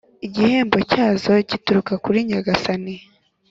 igihembo cyazo gituruka kuri Nyagasani,